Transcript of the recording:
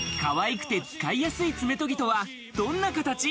かわいくて使いやすい爪とぎとは、どんな形？